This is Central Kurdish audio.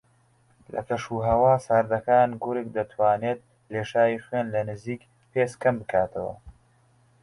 لە کەش و ھەوا ساردەکان گورگ دەتوانێت لێشاوی خوێن لە نزیک پێست کەم بکاتەوە